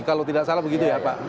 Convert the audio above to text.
kalau tidak salah begitu ya pak